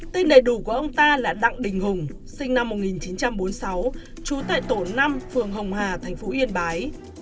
tên đầy đủ của ông ta là đặng đình hùng sinh năm một nghìn chín trăm bốn mươi sáu trú tại tổ năm phường hồng hà thành phố yên bái